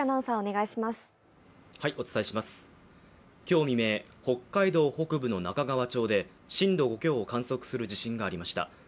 今日未明、北海道北部の中川町で震度５強を観測する地震がありました。